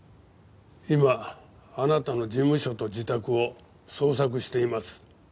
今あなたの事務所と自宅を捜索しています。